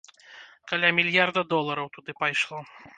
Каля мільярда долараў туды пайшло.